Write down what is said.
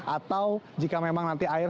atau jika memang nanti air